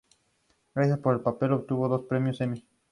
Gracias al papel obtuvo dos Premios Emmy.